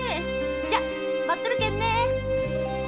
じゃ待っとるけんね！